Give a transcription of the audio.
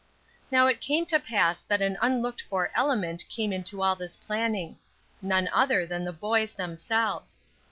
Now it came to pass that an unlooked for element came into all this planning none other than the boys themselves.